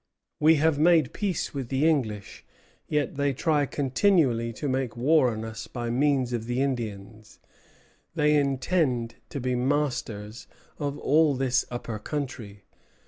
We have made peace with the English, yet they try continually to make war on us by means of the Indians; they intend to be masters of all this upper country.